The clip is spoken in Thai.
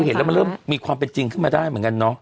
เห็นแล้วมันเริ่มมีความเป็นจริงขึ้นมาได้เหมือนกันเนาะ